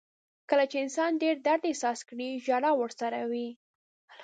• کله چې انسان ډېر درد احساس کړي، ژړا ورسره وي.